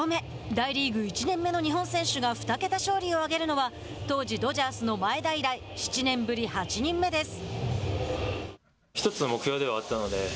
大リーグ１年目の日本選手が２桁勝利を挙げるのは当時ドジャースの前田以来７年ぶり８人目です。